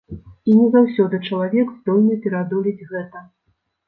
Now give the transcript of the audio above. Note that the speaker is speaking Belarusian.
І не заўсёды чалавек здольны пераадолець гэта.